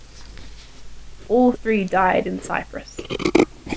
All three died in Cyprus.